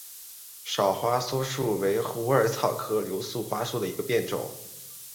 少花溲疏为虎耳草科溲疏属下的一个变种。